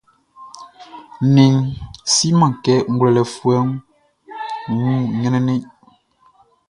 Nnɛnʼn siman kɛ ngwlɛlɛfuɛʼn wun ɲrɛnnɛn.